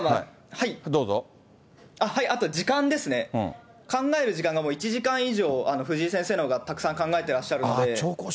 あと時間ですね、考える時間が１時間以上、藤井先生のほうがたくさん考えてらっしゃるんで。